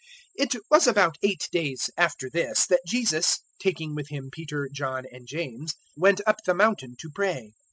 009:028 It was about eight days after this that Jesus, taking with Him Peter, John, and James, went up the mountain to pray.